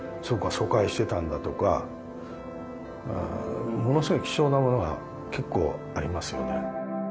疎開してたんだ」とかものすごい貴重なものが結構ありますよね。